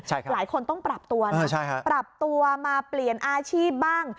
หลายคนต้องปรับตัวนะปรับตัวมาเปลี่ยนอาชีพบ้าง